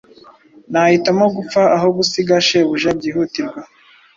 Nahitamo gupfa aho gusiga shebuja byihutirwa